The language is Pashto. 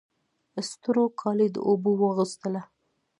ستورو کالي د اوبو واغوستله